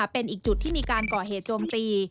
เป็นอีกจุดที่มีการก่อเหตุโจมตี